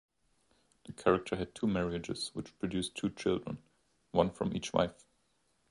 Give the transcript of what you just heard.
The character had two marriages which produced two children - one from each wife.